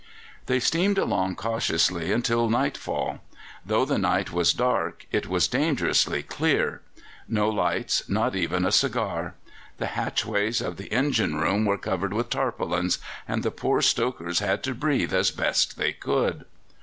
They steamed along cautiously until nightfall. Though the night was dark it was dangerously clear. No lights, not even a cigar. The hatchways of the engine room were covered with tarpaulins, and the poor stokers had to breathe as best they could.